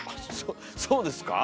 そそうですか？